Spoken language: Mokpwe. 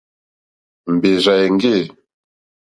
Mbèrzà èŋɡê.